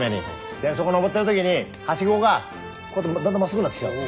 でそこ上ってるときにはしごがだんだん真っすぐになってきちゃうわけ。